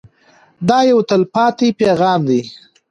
دا یو تلپاتې پیغام دی.